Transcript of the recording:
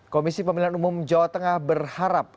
komisi pemilihan umum jawa tengah berharap